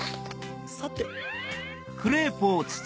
さて。